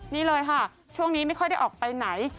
นี่เลยค่ะช่วงนี้ไม่ค่อยได้ออกไปไหน